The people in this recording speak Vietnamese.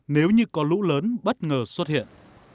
nếu như có lũ lớn bất ngờ xuất hiện